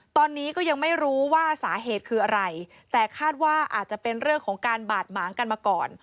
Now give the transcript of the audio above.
ตอนนี้ก็ยังไม่รู้ว่าสาเหตุคืออะไรแต่คาดว่าอาจจะเป็นเรื่องของการบาดหมางกันมาก่อน